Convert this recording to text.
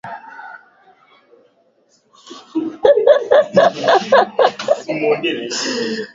ahara wanahitaji kulipwa wanapokaa